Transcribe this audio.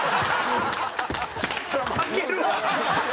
そりゃ負けるわ！